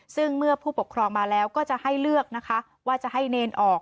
ซึ่งเมื่อผู้ปกครองมาแล้วก็จะให้เลือกนะคะว่าจะให้เนรออก